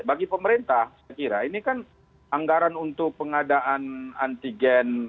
bagi pemerintah saya kira ini kan anggaran untuk pengadaan antigen